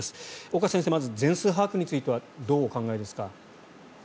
岡先生、まず全数把握についてはどうお考えですか？